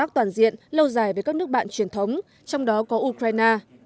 tác toàn diện lâu dài với các nước bạn truyền thống trong đó có ukraine